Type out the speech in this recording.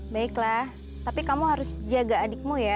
baiklah tapi kamu harus jaga adikmu ya